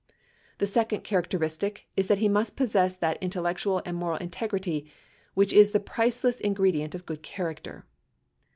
The second characteristic is that he must possess that intellectual and moral integrity, which is the priceless ingredient in good character.